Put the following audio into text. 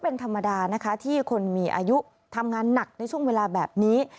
เป็นธรรมดานะคะที่คนมีอายุทำงานหนักในช่วงเวลาแบบนี้